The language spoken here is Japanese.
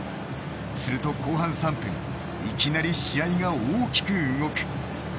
すると後半３分いきなり試合が大きく動く。